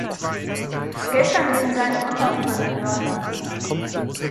Gestern ging seine Mutter über den Jordan.